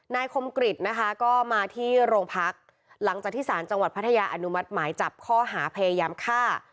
คมกริจนะคะก็มาที่โรงพักหลังจากที่สารจังหวัดพัทยาอนุมัติหมายจับข้อหาพยายามฆ่า